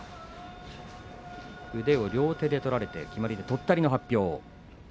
腕を両手で取られて決まり手、とったりと発表されています。